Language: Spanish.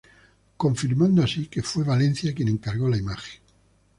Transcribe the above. Confirmando así que fue Valencia quien encargó la imagen.